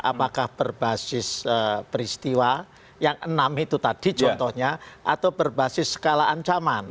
apakah berbasis peristiwa yang enam itu tadi contohnya atau berbasis skala ancaman